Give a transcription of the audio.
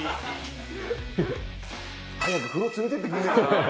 早く風呂連れてってくれねぇかな？